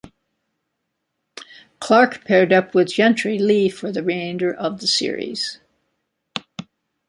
Clarke paired up with Gentry Lee for the remainder of the series.